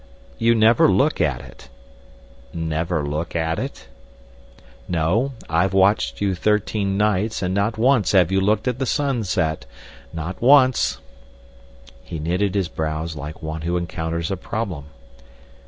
"You never look at it." "Never look at it?" "No. I've watched you thirteen nights, and not once have you looked at the sunset—not once." He knitted his brows like one who encounters a problem.